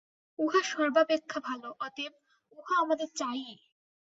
উহা সর্বাপেক্ষা ভাল, অতএব উহা আমাদের চাই-ই।